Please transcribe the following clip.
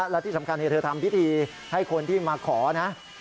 และที่สำคัญเธอทำพิธีให้คนที่มาขอนะ